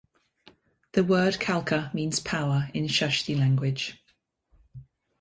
The word Kalka means power in Shashthi language.